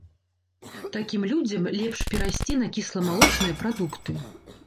Такім людзям лепш перайсці на кісламалочныя прадукты.